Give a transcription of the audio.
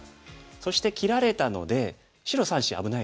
そして切られたので白３子危ないですよね。